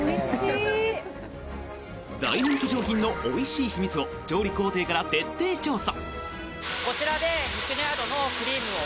大人気商品のおいしい秘密を調理工程から徹底調査！